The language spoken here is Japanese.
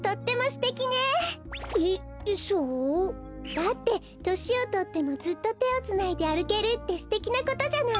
だってとしをとってもずっとてをつないであるけるってすてきなことじゃない。